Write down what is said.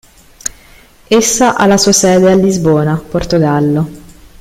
Essa ha la sua sede a Lisbona, Portogallo.